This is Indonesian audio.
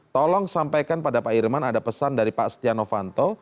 tolong sampaikan pada pak irman ada pesan dari pak setia novanto